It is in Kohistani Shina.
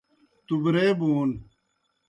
تُبرے بون